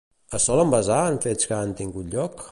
Es solen basar en fets que han tingut lloc?